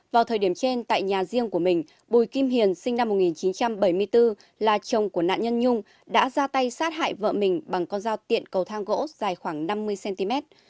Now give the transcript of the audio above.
vào thời điểm trên tại nhà riêng của mình bùi kim hiền sinh năm một nghìn chín trăm bảy mươi bốn là chồng của nạn nhân nhung đã ra tay sát hại vợ mình bằng con dao tiện cầu thang gỗ dài khoảng năm mươi cm